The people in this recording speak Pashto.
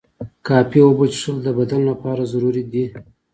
کافی اوبه څښل د بدن لپاره ضروري دي.